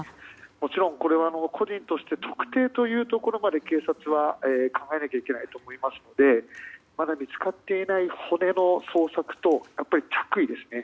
もちろん個人として特定というところまで警察は考えなきゃいけないと思いますのでまだ見つかっていない骨の捜索と着衣ですね。